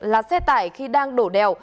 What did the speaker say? là xe tải khi đang đổ đèo